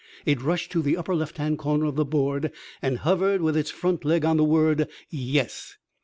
It rushed to the upper left hand corner of the board and hovered with its front leg on the word "Yes."